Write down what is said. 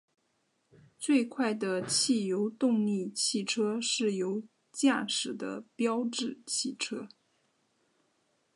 最快的汽油动力汽车是由驾驶的标致汽车。